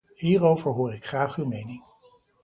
Hierover hoor ik graag uw mening.